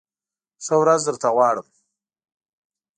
ښه ورځ درته غواړم !